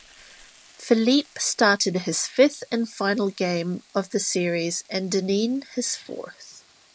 Phillippe started his fifth and final game of the series and Dinneen his fourth.